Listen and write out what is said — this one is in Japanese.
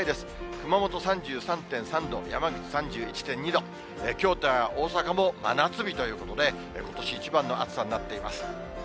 熊本３３．３度、山口３１．２度、京都や大阪も真夏日ということで、ことし一番の暑さになっています。